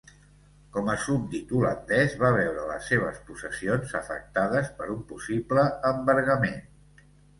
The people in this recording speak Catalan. Com a súbdit holandès va veure les seves possessions afectades per un possible embargament.